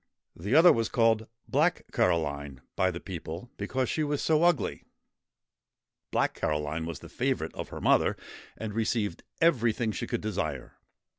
The other was called ' Black Caroline ' by the people, because she was so ugly. Black Caroline was the favourite of her mother, and received everything she could desire.